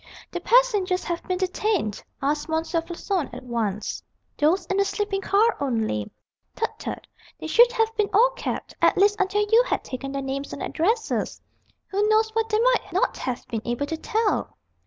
"The passengers have been detained?" asked M. Floçon at once. "Those in the sleeping car only " "Tut, tut! they should have been all kept at least until you had taken their names and addresses. Who knows what they might not have been able to tell?"